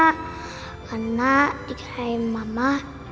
karena dikirain mama